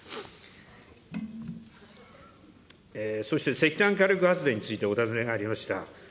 そして石炭火力発電についてお尋ねがありました。